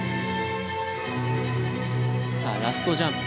さあラストジャンプ。